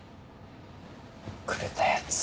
くれたやつ。